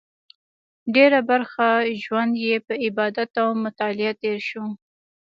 ډېره برخه ژوند یې په عبادت او مطالعه تېر شو.